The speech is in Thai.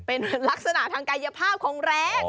เป็นลักษณะทางกายภาพของแรง